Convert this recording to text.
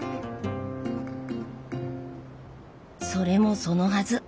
それもそのはず。